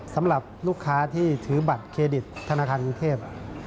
สำหรับลูกค้าที่ถือบัตรเครดิตธนาคารกรุงเทพ